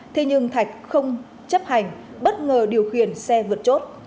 thế nhưng thạch không chấp hành bất ngờ điều khiển xe vượt chốt